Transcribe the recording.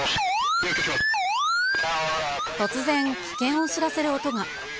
突然、危険を知らせる音が。